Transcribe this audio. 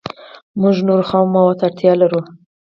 موږ نورو خامو موادو ته اړتیا لرو